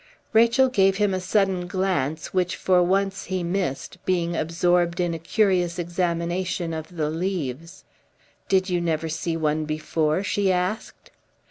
Rachel gave him a sudden glance, which for once he missed, being absorbed in a curious examination of the leaves. "Did you never see one before?" she asked.